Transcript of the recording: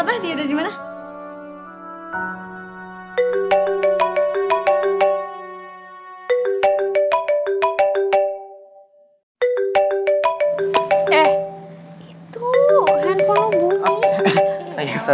gak ada yang nge subscribe